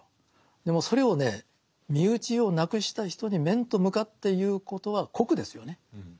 でもそれをね身内を亡くした人に面と向かって言うことは酷ですよね。